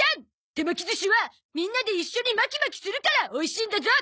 手巻き寿司はみんなで一緒にマキマキするからおいしいんだゾ！